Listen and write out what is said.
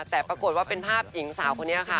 แต่ปรากฏว่าเป็นภาพหญิงสาวคนนี้ค่ะ